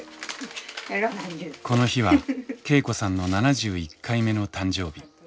この日は恵子さんの７１回目の誕生日。